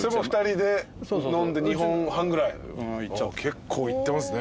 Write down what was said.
結構いってますね。